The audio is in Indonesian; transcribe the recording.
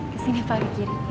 ke sini pak